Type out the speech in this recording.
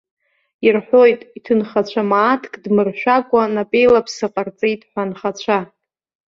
Ирҳәоит, иҭынхацәа мааҭк дмыршәакәа, напеилаԥса ҟарҵеит ҳәа анхацәа.